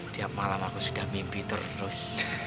tiap malam aku sudah mimpi terus